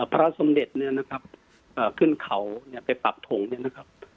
พระสมเด็จขึ้นเขาไปปรับถงนะครับ